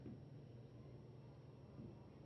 د اشتها لپاره د انار کومه برخه وخورم؟